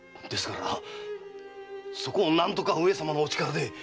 ですからそこを何とか上様のお力で。